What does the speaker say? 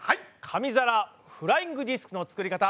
紙皿フライングディスクの作り方